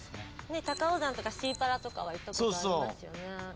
高尾山とかシーパラとかは行ったことありますよね。